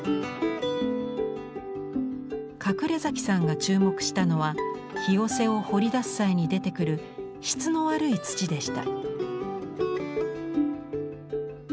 隠さんが注目したのはひよせを掘り出す際に出てくる質の悪い土でした。